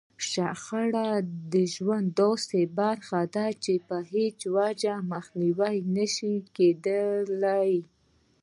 شخړه د ژوند داسې برخه ده چې په هېڅ وجه يې مخنيوی نشي کېدلای.